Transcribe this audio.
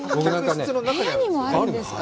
部屋にもあるんですか？